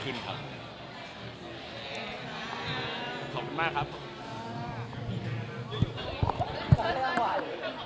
คือแฟนคลับเขามีเด็กเยอะด้วย